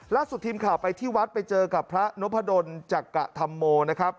ล่าสุดทีมข่าวไปที่วัดไปเจอกับพระนพดลจักรธรรมโมนะครับ